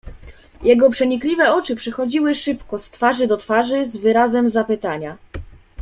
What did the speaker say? "Jego przenikliwe oczy przechodziły szybko od twarzy do twarzy, z wyrazem zapytania."